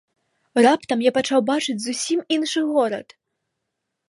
Раптам я пачаў бачыць зусім іншы горад!